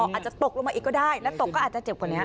อาจจะตกลงมาอีกก็ได้แล้วตกก็อาจจะเจ็บกว่านี้